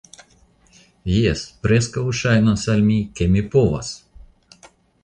Jes, preskaŭ ŝajnas al mi, ke mi povas!